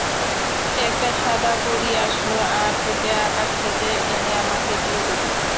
একটা সাদা পরী আসলো আর তোকে আকাশ থেকে এনে আমাকে দিয়ে দিলো।